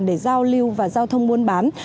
để giao lưu và giao thông muôn bán